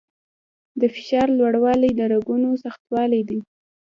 د فشار لوړوالی د رګونو سختوالي دی.